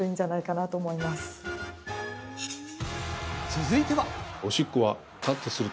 続いては。